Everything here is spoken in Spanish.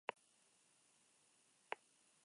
Vivió y tocó jazz en Kansas City, Chicago y Detroit.